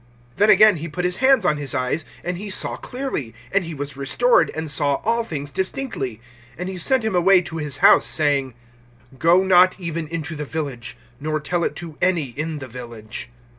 (25)Then again he put his hands on his eyes, and he saw clearly; and he was restored, and saw all things distinctly. (26)And he sent him away to his house, saying: Go not even into the village, nor tell it to any in the village.